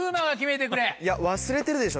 忘れてるでしょ